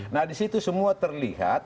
nah di situ semua terlihat